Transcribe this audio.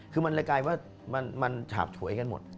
คือมันเลยกลายว่ามันฉาบฉวยกันหมด